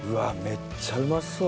めっちゃうまそう！